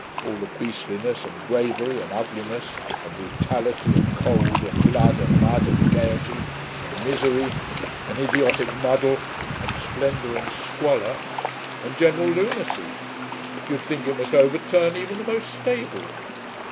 All the beastliness, and bravery, and ugliness, and brutality, and cold, and blood, and mud, and gaiety, and misery, and idiotic muddle, and splendour, and squalor, and general lunacy ... you'd think it must overturn even the most stable